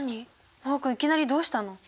真旺君いきなりどうしたの？